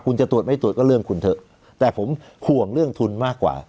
คุณจะตรวจไม่ตรวจก็เรื่องคุณเถอะแต่ผมห่วงเรื่องทุนมากกว่า